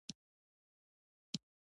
وروسته مختلفې ډلې له وهابیت کار واخلي